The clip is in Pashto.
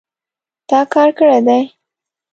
تا کار کړی دی